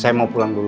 saya mau pulang dulu